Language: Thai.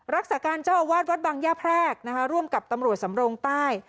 รักษาการเจ้าอาวาสวัดบังย่าแพรกนะคะร่วมกับตำรวจสำรงใต้